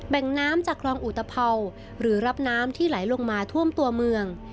งน้ำจากคลองอุตภัวหรือรับน้ำที่ไหลลงมาท่วมตัวเมือง